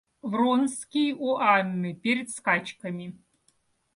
Вронский у Анны перед скачками.